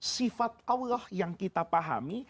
sifat allah yang kita pahami